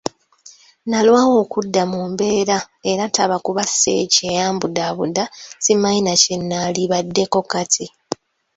Nnalwawo okudda mu mbeera era taba kuba Sseeki eyambudaabuda simanyi na kye nnaalibaddeko kati.